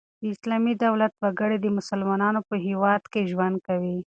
د اسلامي دولت وګړي د مسلمانانو په هيواد کښي ژوند کوي.